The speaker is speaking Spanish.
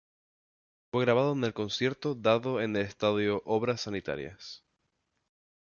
Fue grabado en el concierto dado en el Estadio Obras Sanitarias.